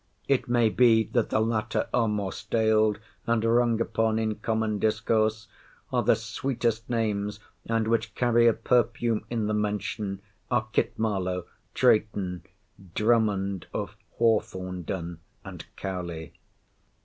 It may be, that the latter are more staled and rung upon in common discourse. The sweetest names, and which carry a perfume in the mention, are, Kit Marlowe, Drayton, Drummond of Hawthornden, and Cowley.